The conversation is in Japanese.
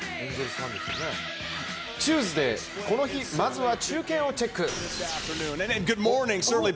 チューズデー、この日まずは中継をチェック。